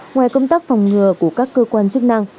ngoài công tác phòng ngừa của các cơ quan